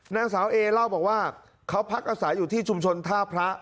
นางสาวเอเล่าบอกว่าเขาพักอาศัยอยู่ที่ชุมชนท่าพระ